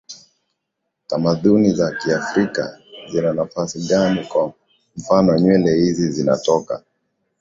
tamaduni za kiafrika zina nafasi gani kwa mfano nywele hizi zinatoka